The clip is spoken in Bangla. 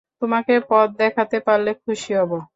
তোমাকে পথ দেখাতে পারলে খুশি হব।